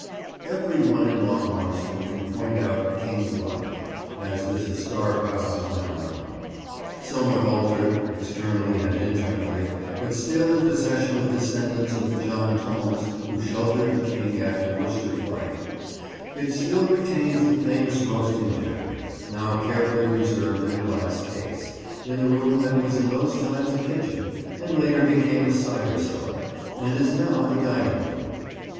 '" Every one in Long Marston can point out "King's Lodge," as this historic house is now known. Somewhat altered, externally and internally, but still in possession of descendants of the John Tomes who sheltered the King after Worcester Fight, it still retains the famous roasting jack, now carefully preserved in a glass case, in the room that was in those times a kitchen, and later became a cider cellar, and is now the dining room.